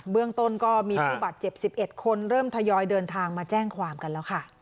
เรื่องต้นก็มีผู้บาดเจ็บ๑๑คนเริ่มทยอยเดินทางมาแจ้งความกันแล้วค่ะ